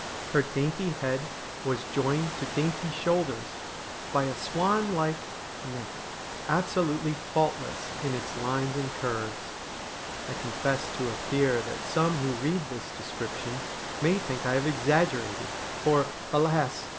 Her dainty head was joined to dainty shoulders by a swan like neck, absolutely faultless in its lines and curves. I confess to a fear that some who read this description may think I have exaggerated, for, alas